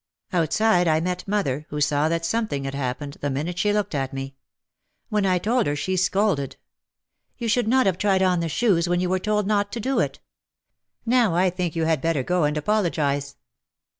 Outside I met mother, who saw that something had happened, the minute she looked at me. When I told her she scolded. "You should not have tried on the shoes when you OUT OF THE SHADOW 39 were told not to do it. Now I think you had better go and apologise."